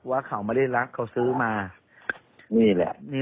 มันก็จะต้องรับคดี